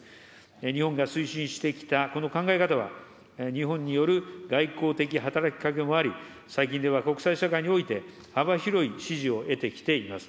日本が推進してきたこの考え方は、日本による外交的働きかけもあり、最近では国際社会において幅広い支持を得てきています。